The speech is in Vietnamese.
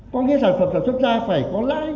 có nghĩa sản phẩm sản xuất ra phải có lãi